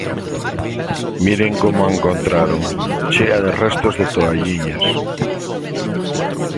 Miren como a encontraron: chea de restos de toalliñas.